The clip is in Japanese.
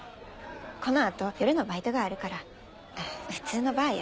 この後夜のバイトがあるからあっ普通のバーよ。